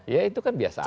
ya itu kan biasa aja